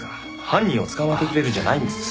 犯人を捕まえてくれるんじゃないんですか？